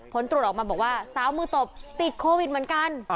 ผลตรวจออกมาบอกว่าสาวมือตบติดโควิดเหมือนกัน